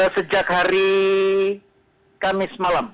sejak hari kamis malam